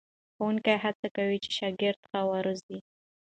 ښوونکي هڅه کوي چې شاګردان ښه وروزي.